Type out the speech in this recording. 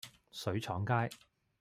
水廠街